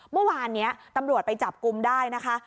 เมื่อวานนี้ตำรวจไปจับกลุ่มได้นะคะ